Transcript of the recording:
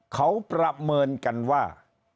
เขาประเมินกันว่า